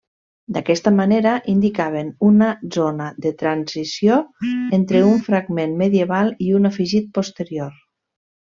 D'aquesta manera indicaven una zona de transició entre un fragment medieval i un afegit posterior.